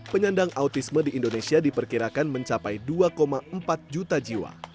penyandang autisme di indonesia diperkirakan mencapai dua empat juta jiwa